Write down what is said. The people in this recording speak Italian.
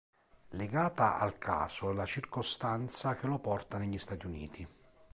Legata al caso la circostanza che lo porta negli Stati Uniti.